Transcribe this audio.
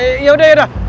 eh yaudah yaudah